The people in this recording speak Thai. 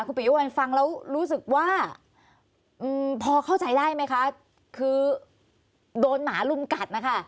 คุณปียุวัลฟังแล้วรู้สึกว่าพอเข้าใจได้ไหมคะคือโดนหมาลุมกัดนะคะ